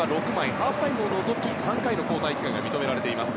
ハーフタイムを除き３回の交代機会が認められます。